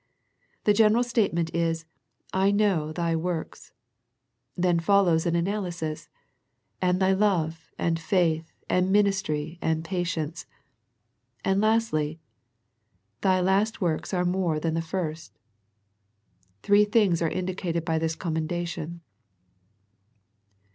The general statement is " I know thy works." Then follows an an alysis, ''and thy love and faith and ministry and patience." And lastly, "thy last works are more than the first." Three things are in dicated in this commendation.